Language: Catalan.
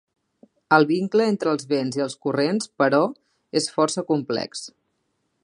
El vincle entre els vents i els corrents, però, és força complex.